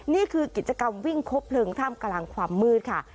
นี่คือกิจกรรมวิ่งครบเลิงท่ามกลางความมืดค่ะ